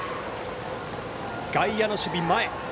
外野の守備、前。